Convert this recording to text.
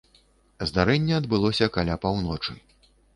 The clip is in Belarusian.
Здарэнне адбылося каля паўночы.